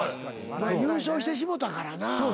優勝してしもうたからな。